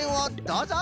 どうぞ。